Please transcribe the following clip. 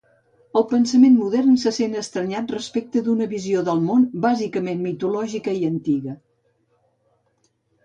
El pensament modern se sent estranyat respecte d'una visió del món bàsicament mitològica i antiga.